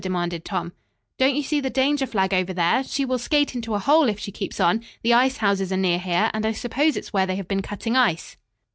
demanded Tom. "Don't you see the danger flag over there? She will skate into a hole if she keeps on. The ice houses are near here, and I suppose it is where they have been cutting ice."